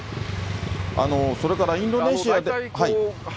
それからインドネシアで。